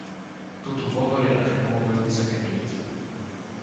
Тут увогуле атрымоўваюцца капейкі.